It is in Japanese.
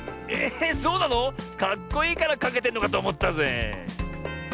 えそうなの⁉かっこいいからかけてんのかとおもったぜ。